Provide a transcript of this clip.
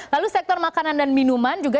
lalu sektor makanan dan minuman juga